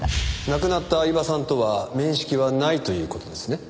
亡くなった饗庭さんとは面識はないという事ですね？